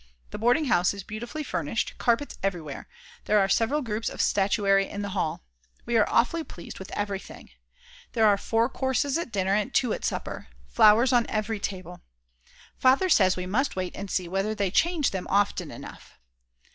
The boarding house is beautifully furnished, carpets everywhere; there are several groups of statuary in the hall. We are awfully pleased with everything. There are 4 courses at dinner and two at supper. Flowers on every table. Father says we must wait and see whether they change them often enough.